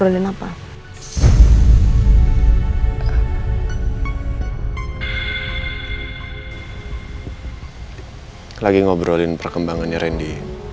lagi ngobrolin perkembangannya randy